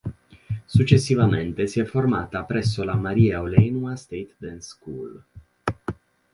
Successivamente si è formata presso la Maria Olenewa State Dance School.